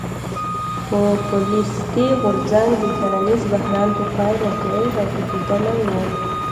پوپولیستي غورځنګ د کرنیز بحران په پایله کې راټوکېدلی و.